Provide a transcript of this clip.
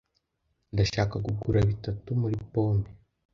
Ndashaka kugura bitatu muri pome.